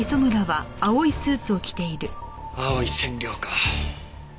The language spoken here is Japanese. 青い染料か。